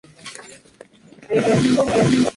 Su foco de búsqueda fue en comunicación humana.